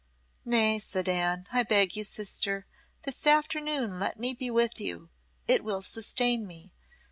"Nay," said Anne; "I beg you, sister, this afternoon let me be with you; it will sustain me.